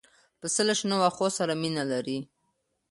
پسه له شنو واښو سره مینه لري.